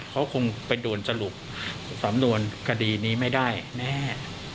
เขาคงไปโดนสรุปสำนวนคดีนี้ไม่ได้แน่